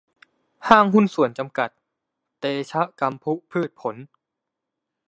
ห้างหุ้นส่วนจำกัด เตชะกำพุพืชผล